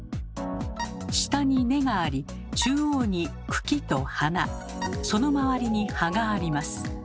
下に根があり中央に茎と花そのまわりに葉があります。